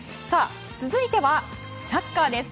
続いてはサッカーです。